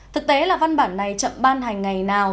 thực tế là văn bản này chậm ban hành ngày nào